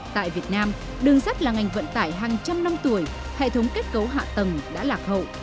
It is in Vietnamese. tại việt nam đường sắt là ngành vận tải hàng trăm năm tuổi hệ thống kết cấu hạ tầng đã lạc hậu